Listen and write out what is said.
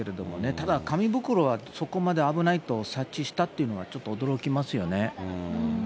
ただ、紙袋はそこまで危ないと察知したっていうのは、ちょっと驚きますよね。